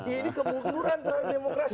ini kebunuran terhadap demokrasi